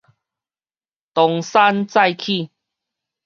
東山再起